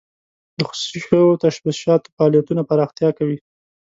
د خصوصي شوو تشبثاتو فعالیتونه پراختیا کوي.